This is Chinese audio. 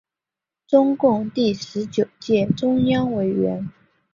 中共第十九届中央委员。